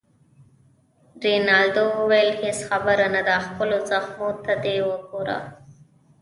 رینالډي وویل: هیڅ خبره نه ده، خپلو زخمو ته دې وګوره.